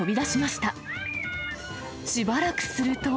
しばらくすると。